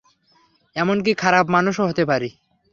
এমনকি খারাপ মানুষও হতে পারি।